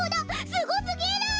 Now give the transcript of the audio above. すごすぎる！